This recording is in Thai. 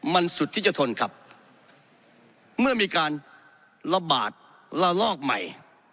มันสุธิจะทนครับเมื่อมีการระบาดระลอกใหม่